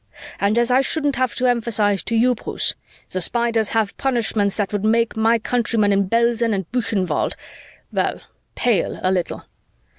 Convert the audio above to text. And as I shouldn't have to emphasize to you, Bruce, the Spiders have punishments that would make my countrymen in Belsen and Buchenwald well, pale a little.